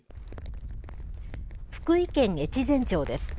福井県越前町です。